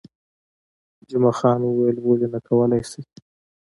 جمعه خان وویل، ولې نه، کولای شئ.